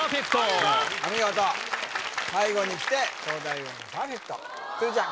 お見事最後に来て東大王もパーフェクト鶴ちゃん